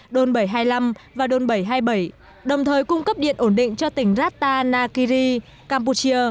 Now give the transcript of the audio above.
đun bảy trăm hai mươi năm và đồn bảy trăm hai mươi bảy đồng thời cung cấp điện ổn định cho tỉnh rata nakiri campuchia